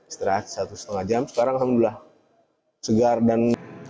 istirahat satu setengah jam sekarang alhamdulillah segar dan